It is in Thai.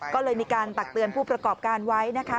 ก็เลยมีการตักเตือนผู้ประกอบการไว้นะคะ